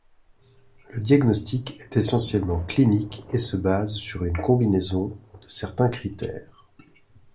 Le diagnostic est essentiellement clinique et se base sur une combinaison de certains critères.